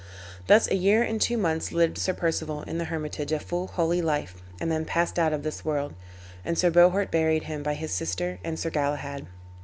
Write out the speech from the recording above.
Thus a year and two months lived Sir Perceval in the hermitage a full holy life, and then passed out of this world, and Sir Bohort buried him by his sister and Sir Galahad.